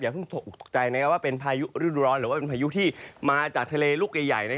เพิ่งตกตกใจว่าเป็นพายุฤดูร้อนหรือว่าเป็นพายุที่มาจากทะเลลูกใหญ่